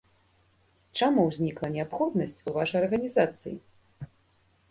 Чаму ўзнікла неабходнасць у вашай арганізацыі?